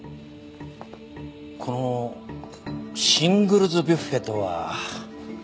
この「シングルズ・ビュッフェ」とは一体なんだ？